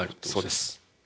そうです。